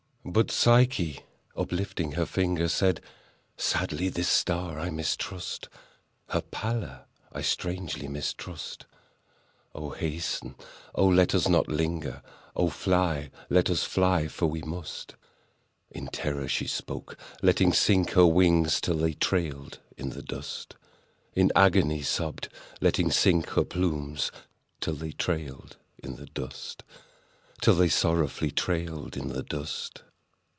But Psyche, uplifting her finger, Said—"Sadly this star I mistrust— Her pallor I strangely mistrust— Ah, hasten!—ah, let us not linger! Ah, fly!—let us fly!—for we must." In terror she spoke; letting sink her Wings till they trailed in the dust— In agony sobbed, letting sink her Plumes till they trailed in the dust— Till they sorrowfully trailed in the dust.